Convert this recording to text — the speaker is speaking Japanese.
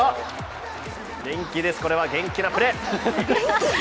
元気です、これは元気なプレー。